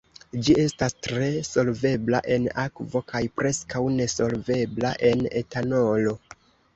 Ĝi estas tre solvebla en akvo kaj preskaŭ nesolvebla en etanolo.